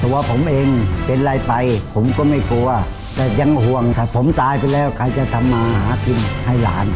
ตัวผมเองเป็นอะไรไปผมก็ไม่กลัวแต่ยังห่วงถ้าผมตายไปแล้วใครจะทำมาหากินให้หลาน